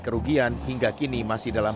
kerugian hingga kini masih dalam